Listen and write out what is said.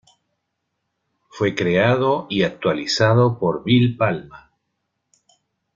Fue creado, y actualizado por Wil Palma.